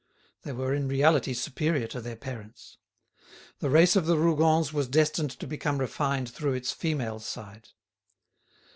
They were in reality superior to their parents. The race of the Rougons was destined to become refined through its female side.